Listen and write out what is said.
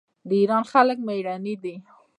د ایران خلک میړني دي.